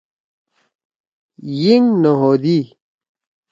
یِنگ نہ ہودی۔